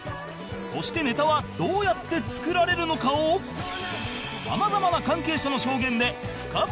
そしてネタはどうやって作られるのかを様々な関係者の証言で深掘りします